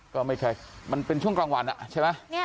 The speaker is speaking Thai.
ก็ไม่ใช่มันเป็นช่วงกลางวันใช่ไหม